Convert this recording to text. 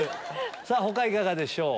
他いかがでしょう？